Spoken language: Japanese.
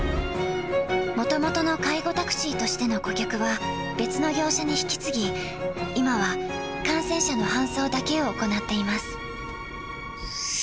もともとの介護タクシーとしての顧客は別の業者に引き継ぎ、今は感染者の搬送だけを行っています。